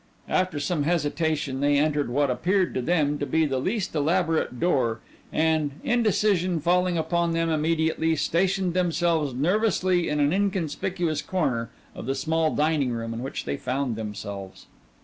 After some hesitation they entered what appeared to them to be the least elaborate door and, indecision falling upon them immediately, stationed themselves nervously in an inconspicuous corner of the small dining room in which they found themselves.